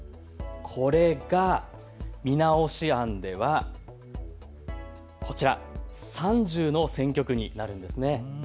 これが見直し案ではこちら、３０の選挙区になるんですね。